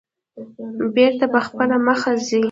بېرته په خپله مخه ځي.